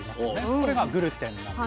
これがグルテンなんです。